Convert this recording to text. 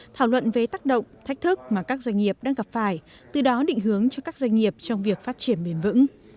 thảo luận về tác động thách thức mà các doanh nghiệp đang gặp phải từ đó định hướng cho các doanh nghiệp trong việc phát triển bền vững